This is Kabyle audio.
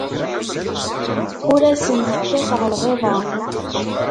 Ur asent-kkateɣ lɣiḍa.